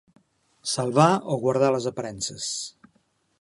Salvar o guardar les aparences.